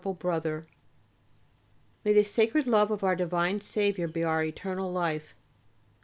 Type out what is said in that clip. BROTHER, May the sacred love of our divine Saviour be our eternal life!